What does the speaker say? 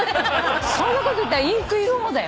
そんなこと言ったらインク色もだよ。